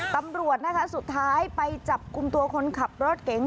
ตำรวจนะคะสุดท้ายไปจับกลุ่มตัวคนขับรถเก๋ง